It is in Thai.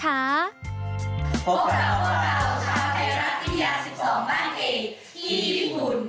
พวกเราพวกเราชาวไทยรัฐวิทยา๑๒บ้านเอกที่ญี่ปุ่น